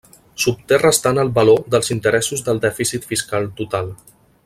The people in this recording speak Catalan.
S'obté restant el valor dels interessos del dèficit fiscal total.